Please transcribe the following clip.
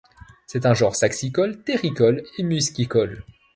C'est un genre saxicole, terricole et muscicole.